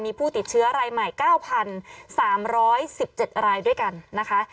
มีผู้ติดเชื้อรายใหม่๙๓๑๗รายด้วยกันนะคะ